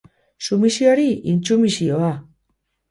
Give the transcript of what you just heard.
Sumisioari intsumisioa!